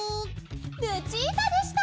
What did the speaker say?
ルチータでした！